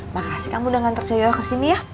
makasih kamu udah ngantar cucu yoyo kesini ya